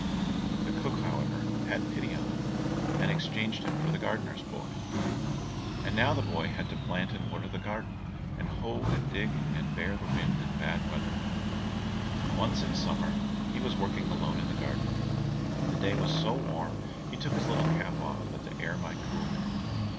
The cook, however, had pity on him, and exchanged him for the gardener's boy. And now the boy had to plant and water the garden, hoe and dig, and bear the wind and bad weather. Once in summer when he was working alone in the garden, the day was so warm he took his little cap off that the air might cool him.